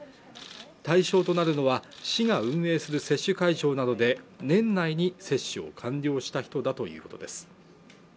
対象となるのは市が運営する接種会場などで年内に接種を完了した人だということです